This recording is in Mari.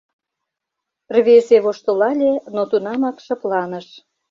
Рвезе воштылале, но тунамак шыпланыш.